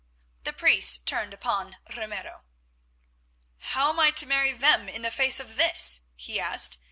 The priest turned upon Ramiro. "How am I to marry them in the face of this?" he asked.